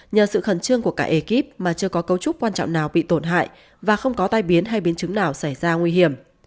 nhờ sự khẩn trương của cả ekip mà chưa có cấu trúc quan trọng nào bị tổn hại và không có tai biến hay biến chứng nào xảy ra nguy hiểm